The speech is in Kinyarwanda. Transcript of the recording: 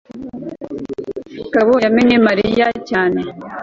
kagabo yamenye mariya cyane